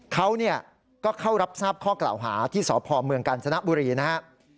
เขาเนี่ยก็เข้ารับสร้าบข้อกล่าวหาที่สพเมืองกัลสนบุรีนะฮะ